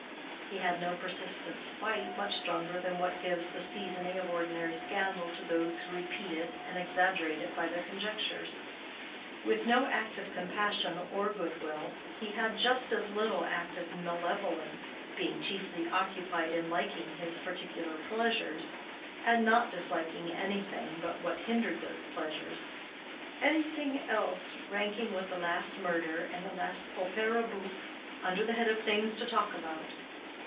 He had no persistent spite much stronger than what gives the seasoning of ordinary scandal to those who repeat it and exaggerate it by their conjectures. With no active compassion or good will, he had just as little active malevolence, being chiefly occupied in liking his particular pleasures, and not disliking anything but what hindered those pleasures—everything else ranking with the last murder and the last opéra bouffe, under the head of things to talk about.